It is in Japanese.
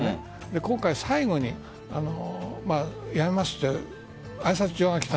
今回、最後に辞めますと挨拶状が来た。